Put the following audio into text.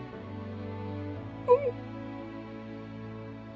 うん。